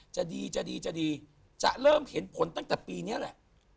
จะดีจะเริ่มเห็นผลตั้งแต่ปีนี้แหละ